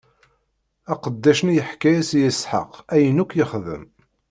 Aqeddac-nni yeḥka-yas i Isḥaq ayen akk ixdem.